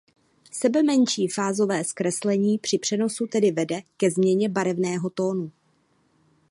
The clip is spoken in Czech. Sebemenší fázové zkreslení při přenosu tedy vede ke změně barevného tónu.